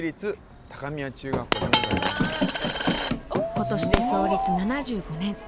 今年で創立７５年。